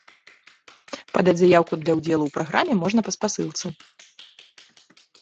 Падаць заяўку для ўдзелу ў праграме можна па спасылцы.